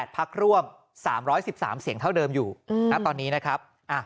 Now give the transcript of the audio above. พักร่วม๓๑๓เสียงเท่าเดิมอยู่ณตอนนี้นะครับ